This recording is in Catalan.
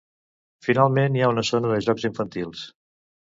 Finalment, hi ha una zona de jocs infantils.